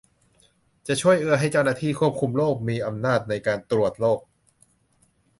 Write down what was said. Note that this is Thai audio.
จะช่วยเอื้อให้เจ้าหน้าที่ควบคุมโรคมีอำนาจในการตรวจโรค